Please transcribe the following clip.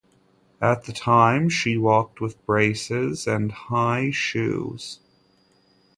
At the time she walked with braces and high shoes.